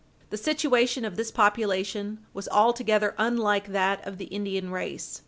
The situation of this population was altogether unlike that of the Indian race.